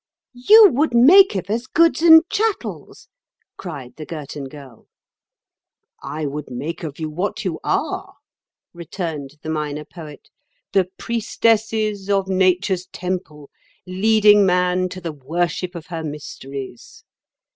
"You would make of us goods and chattels," cried the Girton Girl. "I would make of you what you are," returned the Minor Poet, "the priestesses of Nature's temple, leading man to the worship of her mysteries.